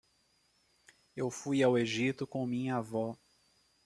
Eu fui ao Egito com minha avó.